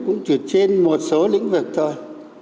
cũng chỉ trên một số lĩnh vực thôi